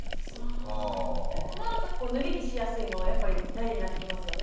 となると脱ぎ着しやすいものやっぱり大事になってきますよね。